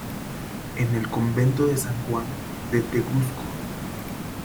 en el convento de San Juan de Tegusco .